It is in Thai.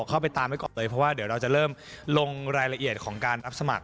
เข้าไปตามไว้ก่อนเลยเพราะว่าเดี๋ยวเราจะเริ่มลงรายละเอียดของการรับสมัคร